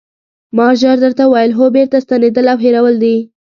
ما ژر درته وویل: هو بېرته ستنېدل او هېرول دي.